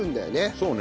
そうね。